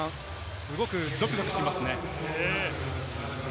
すごくゾクゾクしますね。